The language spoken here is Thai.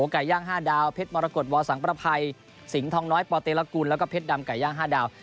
ไก่ย่าง๕ดาวเพชรมรกฏวอสังประภัยสิงหองน้อยปเตรกุลแล้วก็เพชรดำไก่ย่าง๕ดาว